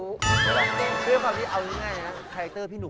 คือความที่เอาง่ายนะครับไทรเตอร์พี่หนุ่มอะ